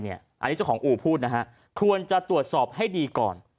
อันนี้เจ้าของอู่พูดนะฮะควรจะตรวจสอบให้ดีก่อน